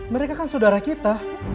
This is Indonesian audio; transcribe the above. mereka kan saudara kita